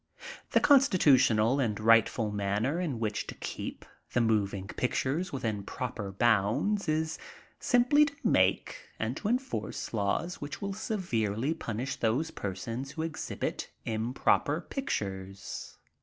The constitutional and rightful manner in which to ke^ the moving pictures within proper bounds is simply to make and to enforce laws which will severely punish those persons who exhibit improper pictures.